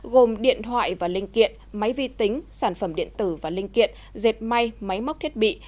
gồm điện thoại và linh kiện máy vi tính sản phẩm điện tử và linh kiện dệt may máy móc thiết bị